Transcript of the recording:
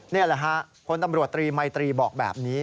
นี่แหละฮะพลตำรวจตรีมัยตรีบอกแบบนี้